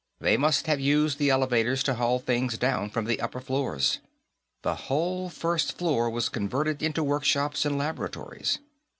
They must have used the elevators to haul things down from the upper floor. The whole first floor was converted into workshops and laboratories.